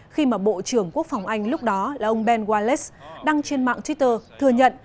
khi mà bộ trưởng quốc phòng anh lúc đó là ông ben wallace đăng trên mạng twitter thừa nhận